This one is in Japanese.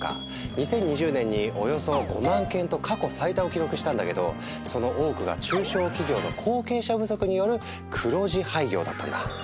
２０２０年におよそ５万件と過去最多を記録したんだけどその多くが中小企業の後継者不足による黒字廃業だったんだ。